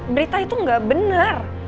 berita itu gak benar